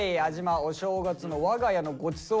「お正月の我が家のごちそう」は何ですか？